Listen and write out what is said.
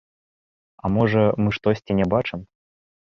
А можа мы штосьці не бачым?